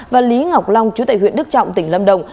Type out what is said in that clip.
và lý ngọc long chú tại huyện đức trọng tỉnh lâm đồng